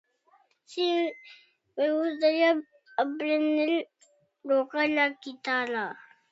Sí, me gustaría aprender... tocar la guitarra.